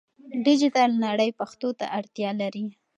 ډیجیټل نړۍ پښتو ته اړتیا لري.